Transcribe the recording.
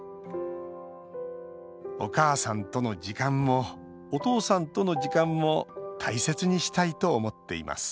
お母さんとの時間もお父さんとの時間も大切にしたいと思っています